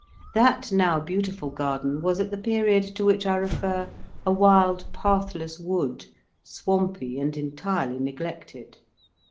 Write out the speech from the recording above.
That now beautiful garden was at the period to which I refer a wild pathless wood, swampy, and entirely neglected.